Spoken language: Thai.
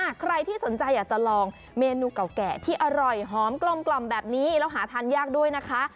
ใครที่สนใจอยากจะลองเมนูเก่าแก่ที่อร่อยหอมกลมแบบนี้แล้วหาทานยากด้วยนะคะ